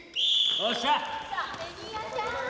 よっしゃ！